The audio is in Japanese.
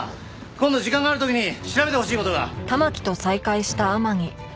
今度時間がある時に調べてほしい事が。